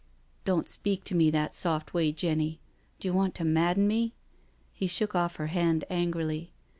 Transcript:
" Don't speak to me that soft way, Jenny. Do you want to madden me?" He shook off her hand angrily.